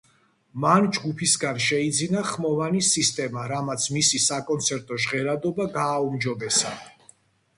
მან ჯგუფისგან შეიძინა ხმოვანი სისტემა, რამაც მისი საკონცერტო ჟღერადობა გააუმჯობესა.